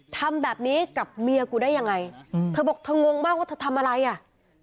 ทำแบบนี้กับเมียกูได้ยังไงอืมเธอบอกเธองงมากว่าเธอทำอะไรอ่ะ